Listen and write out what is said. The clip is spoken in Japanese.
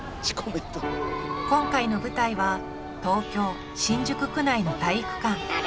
今回の舞台は東京新宿区内の体育館。